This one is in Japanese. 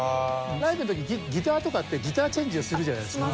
ライブの時ギターとかってギターチェンジをするじゃないですか。